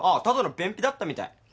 ただの便秘だったみたい。